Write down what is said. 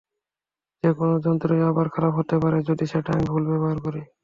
যেকোনো যন্ত্রই আবার খারাপ হতে পারে, যদি সেটার আমি ভুল ব্যবহার করি।